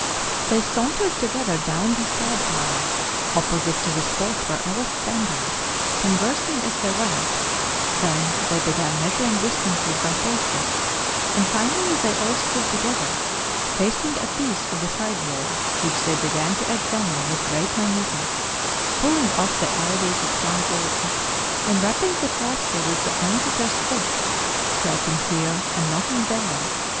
They sauntered together down the side aisle, opposite to the spot where I was standing, conversing as they went; then they began measuring distances by paces, and finally they all stood together, facing a piece of the sidewall, which they began to examine with great minuteness; pulling off the ivy that clung over it, and rapping the plaster with the ends of their sticks, scraping here, and knocking there.